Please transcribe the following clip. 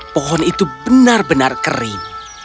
pohon itu benar benar kering